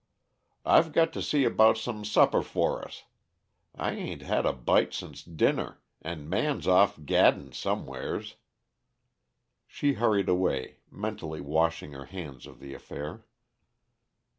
I've got to see about some supper for us. I ain't had a bite since dinner, and Min's off gadding somewheres " She hurried away, mentally washing her hands of the affair.